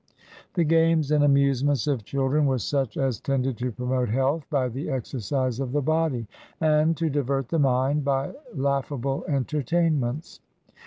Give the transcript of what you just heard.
The games and amusements of children were such as tended to promote health by the exercise of the body, and to divert the mind by laughable entertainments.